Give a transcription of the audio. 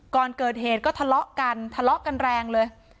ก่อนเกิดเหตุก็ทะเลาะกันทะเลาะกันแรงเลย